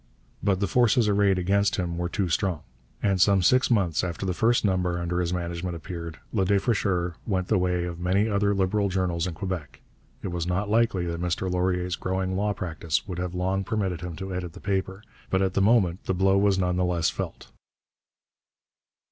But the forces arrayed against him were too strong, and some six months after the first number under his management appeared, Le Défricheur went the way of many other Liberal journals in Quebec. It was not likely that Mr Laurier's growing law practice would have long permitted him to edit the paper, but at the moment the blow was none the less felt.